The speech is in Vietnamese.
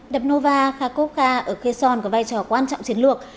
đập nova kharkovka ở kherson có vai trò quan trọng chiến lược